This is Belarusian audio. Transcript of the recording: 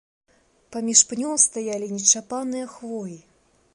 Паміж пнёў стаялі нечапаныя хвоі.